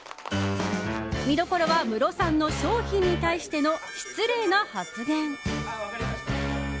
見どころはムロさんの商品に対しての失礼な発言。